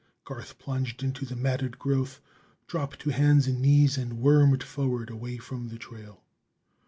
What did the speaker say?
Garth plunged into the matted growth, dropped to hands and knees and wormed forward away from the trail.